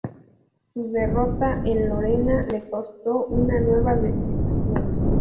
Su derrota en Lorena, le costó una nueva destitución.